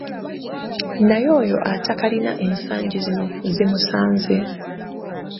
Naye oyo atakalina ensangi zino zimusanze.